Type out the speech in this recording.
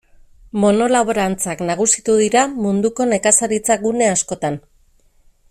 Monolaborantzak nagusitu dira munduko nekazaritza gune askotan.